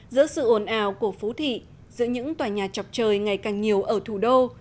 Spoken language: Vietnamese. giữa sự ồn ào của phú thị giữa những tòa nhà chọc trời ngày càng nhiều ở thủ đô